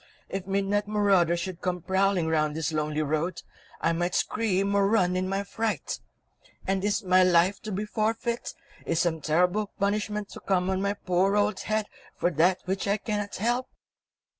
If midnight marauders should come prowling round this lonely road, I might scream or run in my fright! And is my life to be forfeit, is some terrible punishment to come on my poor old head for that which I cannot help?"